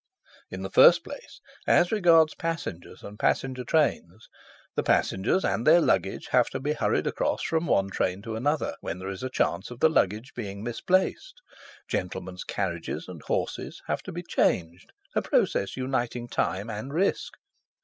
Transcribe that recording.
"In the first place as regards passengers and passenger trains: "The passengers and their luggage have to be hurried across from one train to the other, when there is a chance of the luggage being misplaced. Gentlemen's carriages and horses have to be changed, a process uniting time and risk.